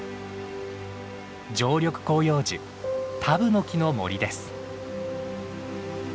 常緑広葉樹タブノキの森です。